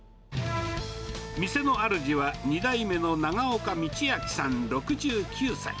店のあるじは、２代目の永岡道明さん６９歳。